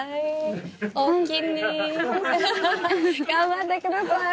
ハハハ頑張ってください！